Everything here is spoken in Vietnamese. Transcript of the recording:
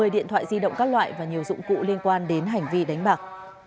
một mươi điện thoại di động các loại và nhiều dụng cụ liên quan đến hành vi đánh bạc